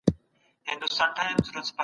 په اتم ټولګي کي ما ډېرې کیسې زده کړې.